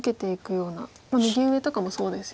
右上とかもそうですよね